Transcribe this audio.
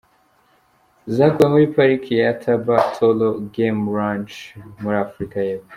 Zakuwe muri Pariki ya Thaba Tholo Game Ranch, muri Afurika y’Epfo.